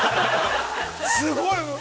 ◆すごい。